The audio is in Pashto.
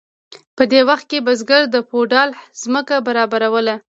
په دې وخت کې بزګر د فیوډال ځمکه برابروله.